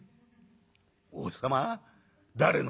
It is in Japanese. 「王様？誰の？」。